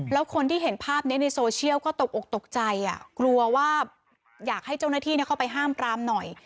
แล้วคนที่เห็นภาพนี้ในโซเชียลก็ตกอกตกใจกลัวว่าอยากให้เจ้าหน้าที่เข้าไปห้ามปรามหน่อย